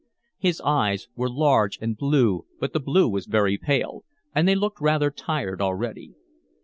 His eyes were large and blue, but the blue was very pale, and they looked rather tired already.